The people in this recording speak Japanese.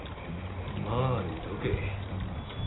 まあ見とけ。